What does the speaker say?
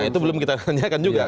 itu belum kita tanyakan juga